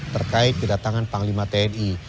terkait kedatangan panglima tni